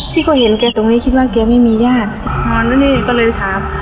เคยเห็นแกตรงนี้คิดว่าแกไม่มีญาตินอนแน่ก็เลยถาม